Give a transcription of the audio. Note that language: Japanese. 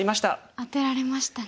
アテられましたね。